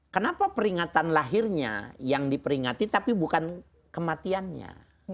kenapa peringatan lahirnya yang diperingati tapi bukan kematiannya